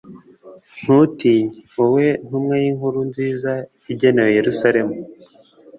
ntutinye, wowe ntumwa y’inkuru nziza igenewe Yeruzalemu !